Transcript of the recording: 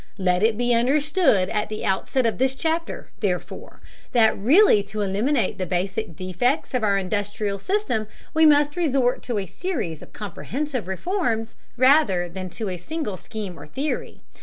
Let it be understood at the outset of this chapter, therefore, that really to eliminate the basic defects of our industrial system we must resort to a series of comprehensive reforms rather than to a single scheme or theory.